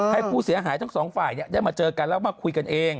ให้ผู้เสียหายทั้งสองฝ่ายได้มาเจอกันแล้วมาคุยกันเอง